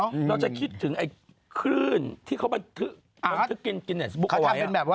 เราจะคิดถึงขื่นที่เขามัน